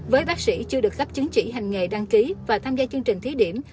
với bác sĩ chưa được cấp chứng chỉ hành nghề đăng ký và tham gia chương trình thí điểm